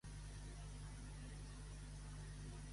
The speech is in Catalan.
Quina és la resta de quatre-cents vint i cinc-cents u?